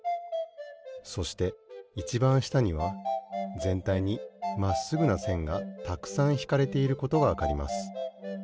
そしていちばんしたにはぜんたいにまっすぐなせんがたくさんひかれていることがわかります。